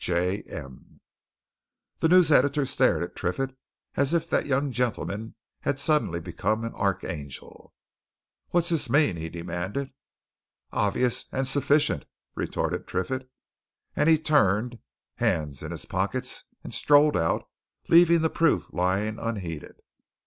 J. M." The news editor stared at Triffitt as if that young gentleman had suddenly become an archangel. "What's this mean?" he demanded. "Obvious and sufficient," retorted Triffitt. And he turned, hands in pockets, and strolled out, leaving the proof lying unheeded.